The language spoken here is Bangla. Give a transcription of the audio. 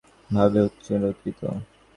আমরা সকলেই নিজের নিজের ভাবে উৎসর্গীকৃত।